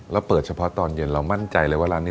แล้วเปิดเฉพาะตอนเย็นเรามั่นใจเลยว่าร้านนี้